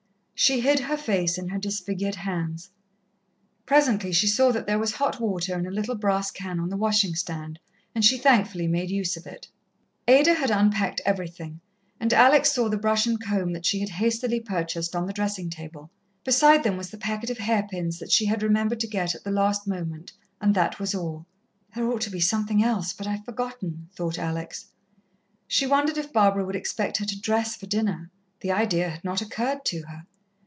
She hid her face in her disfigured hands. Presently she saw that there was hot water in a little brass can on the washing stand, and she thankfully made use of it. Ada had unpacked everything, and Alex saw the brush and comb that she had hastily purchased, on the dressing table. Beside them was the packet of hair pins that she had remembered to get at the last moment, and that was all. "There ought to be something else, but I've forgotten," thought Alex. She wondered if Barbara would expect her to dress for dinner. The idea had not occurred to her.